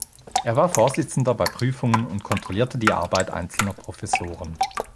Er war Vorsitzender bei Prüfungen und kontrollierte die Arbeit einzelner Professoren.